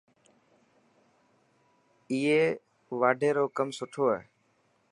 ائي واڍي رو ڪم سٺو هي.